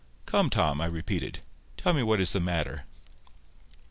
"Come, Tom," I repeated, "tell me what is the matter."